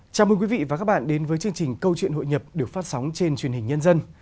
chào mừng quý vị và các bạn đến với chương trình câu chuyện hội nhập được phát sóng trên truyền hình nhân dân